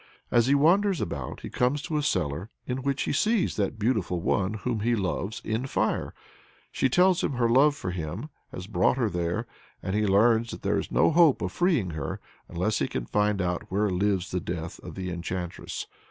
As he wanders about he comes to a cellar in which "he sees that beautiful one whom he loves, in fire." She tells him her love for him has brought her there; and he learns that there is no hope of freeing her unless he can find out "where lies the death of the enchantress."